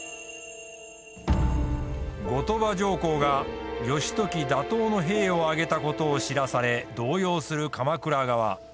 後鳥羽上皇が義時打倒の兵を挙げたことを知らされ動揺する鎌倉側。